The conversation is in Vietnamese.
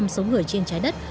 sống người trên trái đất